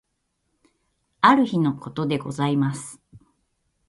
ある日のことでございます。